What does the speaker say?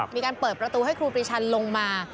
มีการเปิดประตูให้ครูปรีชันลงมา